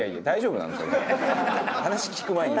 大丈夫かな。